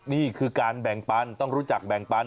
นี่คือการแบ่งปันต้องรู้จักแบ่งปัน